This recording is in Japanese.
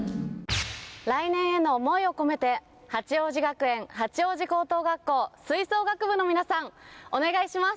来年への思いを込めて、八王子学園八王子高等学校、吹奏楽部の皆さん、お願いします。